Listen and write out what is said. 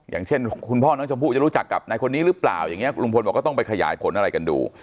อย่างเช่นคุณพ่อน้องชมพู่จะรู้จักกับนายคนนี้หรือเปล่าอย่างนี้ลุงพลบอกก็ต้องไปขยายผลอะไรกันดู